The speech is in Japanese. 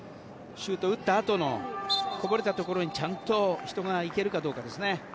シュート打ったあとのこぼれたところにちゃんと人が行けるかですね。